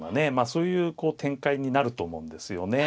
そういう展開になると思うんですよね。